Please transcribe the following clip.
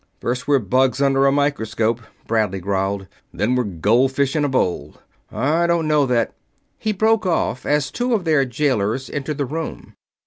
"First we're bugs under a microscope," Bradley growled, "then we're goldfish in a bowl. I don't know that...." He broke off as two of their jailers entered the room.